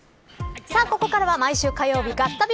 ここからは毎週火曜日ガッタビ！！